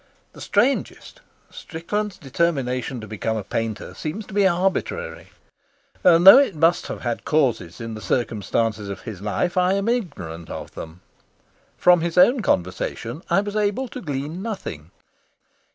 The strangest, Strickland's determination to become a painter, seems to be arbitrary; and though it must have had causes in the circumstances of his life, I am ignorant of them. From his own conversation I was able to glean nothing.